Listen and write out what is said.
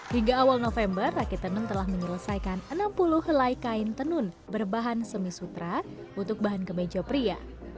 hingga awal november rakitanun telah menyelesaikan enam puluh helai kain tenun berbahan semisutra untuk bahan kemeja pria